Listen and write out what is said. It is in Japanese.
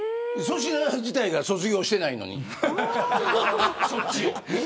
粗品自体が卒業してないのに。